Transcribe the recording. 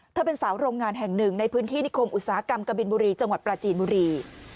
เป็นสาวโรงงานแห่งหนึ่งในพื้นที่นิคมอุตสาหกรรมกบินบุรีจังหวัดปราจีนบุรี